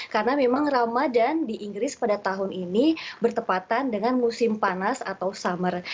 karena memang ramadan di inggris pada tahun ini bertepatan dengan musim panas atau summer